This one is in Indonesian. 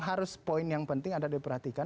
harus poin yang penting ada diperhatikan